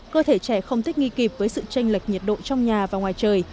cơ thể trẻ không thích nghi kịp với sự tranh lệch nhiệt độ trong nhà và ngoài trời